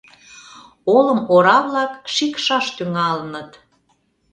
Олым ора-влак шикшаш тӱҥалыныт.